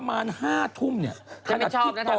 นี่อ่านการมันไม่ใช่ให้การ